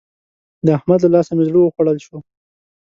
د احمد له لاسه مې زړه وخوړل شو.